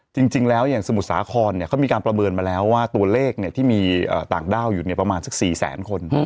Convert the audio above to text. จริงแล้วอย่างสมุทรสาครเขามีการประเมินมาแล้วว่าตัวเลขที่มีต่างด้าวอยู่ประมาณสัก๔แสนคน